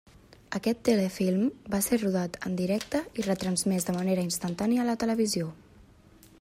Aquest telefilm va ser rodat en directe i retransmès de manera instantània a la televisió.